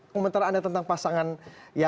komentar anda tentang komposisinya